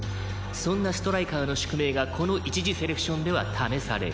「そんなストライカーの宿命がこの一次セレクションでは試される」